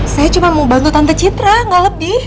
saya cuma mau bantu tante citra gak lebih